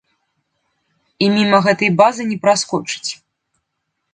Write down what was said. І міма гэтай базы не праскочыць.